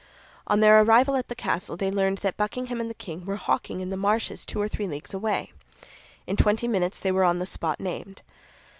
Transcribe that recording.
On their arrival at the castle they learned that Buckingham and the king were hawking in the marshes two or three leagues away. In twenty minutes they were on the spot named.